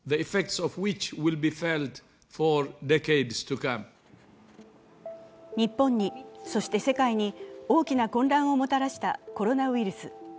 東京海上日動日本に、そして世界に大きな混乱をもたらしたコロナウイルス。